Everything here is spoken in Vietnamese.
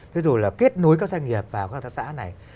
thế rồi là kết nối các doanh nghiệp vào các hợp tác xã này